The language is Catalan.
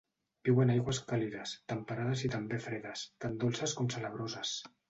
Viu en aigües càlides, temperades i també fredes, tant dolces com salabroses.